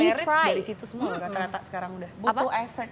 dari situ semua loh ternyata sekarang udah